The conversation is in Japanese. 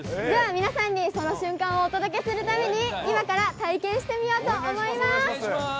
では、皆さんにその瞬間をお届けするために、今から体験してみようと思います。